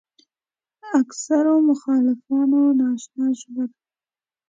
اکثرو مخالفانو ناآشنا ژبه ده.